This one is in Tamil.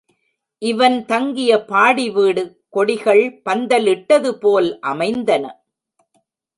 இவன் தங்கிய பாடி வீடு கொடிகள் பந்தல் இட்டதுபோல் அமைந்தன.